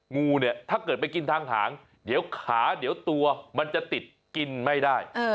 งูเนี่ยถ้าเกิดไปกินทางหางเดี๋ยวขาเดี๋ยวตัวมันจะติดกินไม่ได้